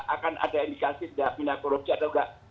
akan ada indikasi tindak minat korupsi atau tidak